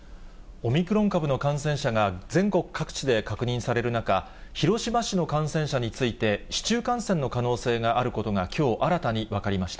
オミクロン株の感染者が全国各地で確認される中、広島市の感染者について、市中感染の可能性があることがきょう、新たに分かりました。